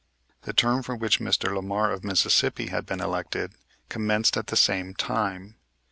The term for which Mr. Lamar, of Mississippi, had been elected, commenced at the same time.